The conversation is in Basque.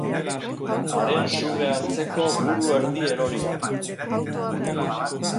Haren suge-antzeko buru erdi eroria.